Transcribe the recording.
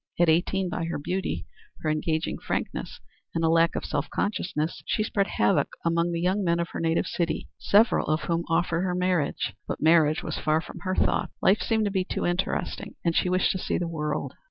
At eighteen, by her beauty, her engaging frankness and lack of self consciousness, she spread havoc among the young men of her native city, several of whom offered her marriage. But marriage was far from her thoughts. Life seemed too interesting and she wished to see the world.